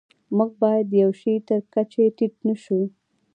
موږ باید د یوه شي تر کچې ټیټ نشو.